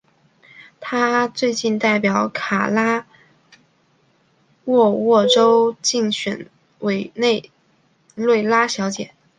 她最近代表卡拉沃沃州竞选委内瑞拉小姐。